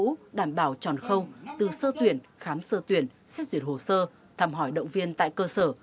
nhập ngũ đảm bảo tròn không từ sơ tuyển khám sơ tuyển xét duyệt hồ sơ thăm hỏi động viên tại cơ sở